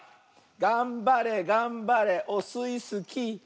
がんばれがんばれオスイスキー！